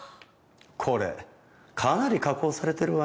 これかなり加工されてるわよ。